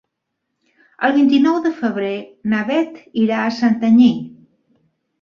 El vint-i-nou de febrer na Beth irà a Santanyí.